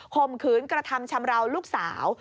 ข่มขืนกระทำชำราวลูกสาว